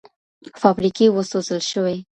فابریکې وسوځول شوې.